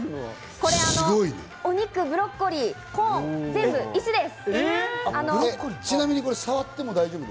これ、お肉、ブロッコリー、コーン、全部石です。